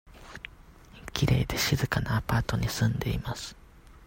きれいで静かなアパートに住んでいます。